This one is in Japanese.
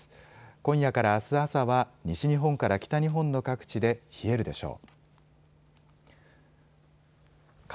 今夜からあす朝は西日本から北日本の各地で冷えるでしょう。